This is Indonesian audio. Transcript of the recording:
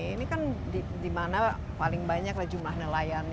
ini kan dimana paling banyak jumlah nelayan